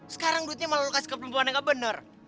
sekarang duitnya malah lo kasih ke perempuan yang gak bener